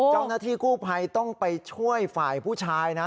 เจ้าหน้าที่กู้ภัยต้องไปช่วยฝ่ายผู้ชายนะ